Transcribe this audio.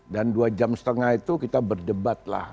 dan dua jam setengah itu kita berdebatlah